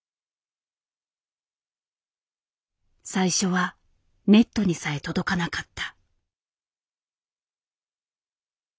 最初はネットにさえ届かなかった。